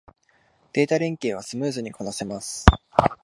データ連携はスムーズにこなせます